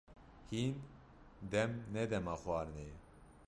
Hîn dem ne dema xwarinê ye.